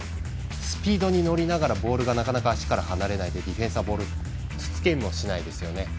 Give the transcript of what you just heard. スピードに乗りながらボールがなかなか足から離れないでディフェンスはボールをつつけもしないですよね。